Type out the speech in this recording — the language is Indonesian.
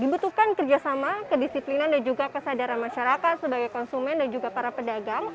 dibutuhkan kerjasama kedisiplinan dan juga kesadaran masyarakat sebagai konsumen dan juga para pedagang